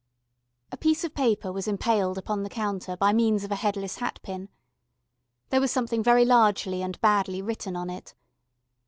A piece of paper was impaled upon the counter by means of a headless hatpin. There was something very largely and badly written on it.